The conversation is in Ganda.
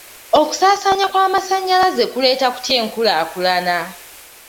Okusaasaanya kw'amasannyalaze kuleeta kutya enkulaakulana?